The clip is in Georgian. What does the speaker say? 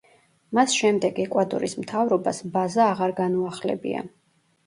მას შემდეგ, ეკვადორის მთავრობას ბაზა აღარ განუახლებია.